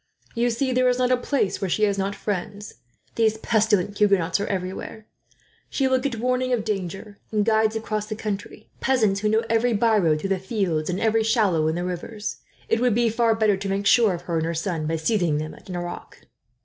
You see, there is not a place where she has not friends. These pestilent Huguenots are everywhere. She will get warning of danger, and guides across the country peasants who know every byroad through the fields, and every shallow in the rivers. It would be far better to make sure of her and her son, by seizing them at Nerac."